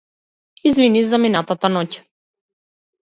Извини за минатата ноќ.